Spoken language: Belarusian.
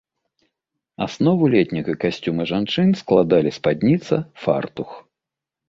Аснову летняга касцюма жанчын складалі спадніца, фартух.